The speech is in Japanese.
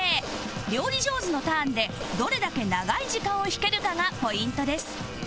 料理上手のターンでどれだけ長い時間を引けるかがポイントです